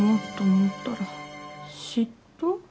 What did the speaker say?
嫉妬？